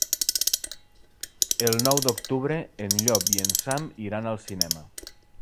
El nou d'octubre en Llop i en Sam iran al cinema.